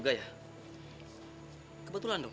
sebesar comme bangku quer mengindaki